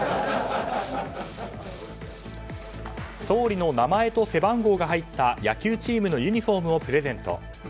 総理の名前と背番号が入った野球チームのユニホームをプレゼント。